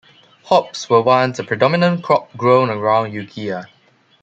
Hops were once a predominant crop grown around Ukiah.